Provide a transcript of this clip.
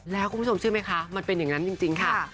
แล้วคุณผู้ชมเชื่อไหมคะมันเป็นอย่างนั้นจริงค่ะ